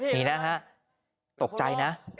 นี่นะฮะตกใจนะ